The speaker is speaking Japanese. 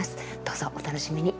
どうぞお楽しみに。